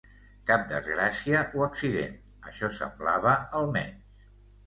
Cap desgràcia o accident, això semblava almenys.